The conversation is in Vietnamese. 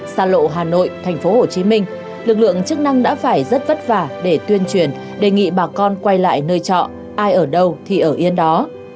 xa lộ hà nội tp hcm lực lượng chức năng đã phải rất vất vả để tuyên truyền đề nghị bà con quay lại nơi trọ ai ở đâu thì ở yên đó